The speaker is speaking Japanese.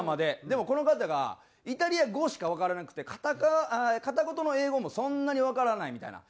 でもこの方がイタリア語しかわからなくて片言の英語もそんなにわからないみたいな。